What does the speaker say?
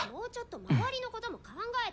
周りのことも考えて。